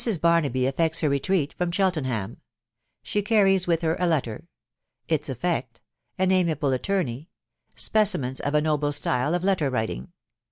EARNABY EFFECTS HBtt ESTREAT FROM CJRELT JENHAX. «— I CARRIES WITH HER A LETTER. JTS EFFECT.— AN AM^?M ATT^ KEY. SPECIMENS OF A NOBLE STYLE OF LETTER WRITIKQ.